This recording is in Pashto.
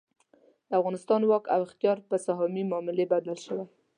د افغانستان واک او اختیار په سهامي معاملې بدل شوی.